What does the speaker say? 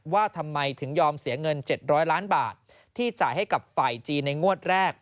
ว่าทำไมถึงยอมเสียเงิน๗๐๐ล้านบาทที่จ่ายให้กับฝ่ายจีนในงวดแรก